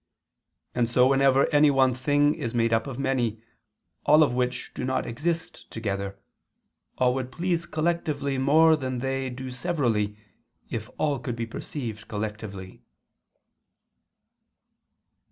And so whenever any one thing is made up of many, all of which do not exist together, all would please collectively more than they do severally, if all could be perceived collectively."